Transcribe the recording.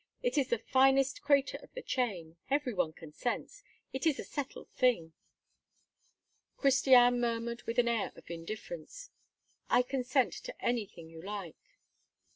It is the finest crater of the chain. Everyone consents. It is a settled thing." Christiane murmured with an air of indifference: "I consent to anything you like."